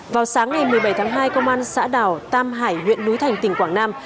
vào sáng ngày một mươi bảy tháng hai công an xã đảo tam hải huyện núi thành tỉnh quảng nam